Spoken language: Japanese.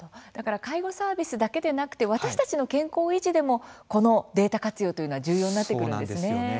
介護サービスだけでなくて私たちの健康維持でもこのデータ活用というのは重要になってくるんですね。